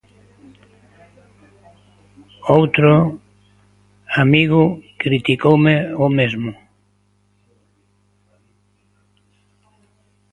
Outro amigo criticoume o mesmo.